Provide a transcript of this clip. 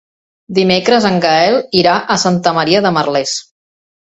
Dimecres en Gaël irà a Santa Maria de Merlès.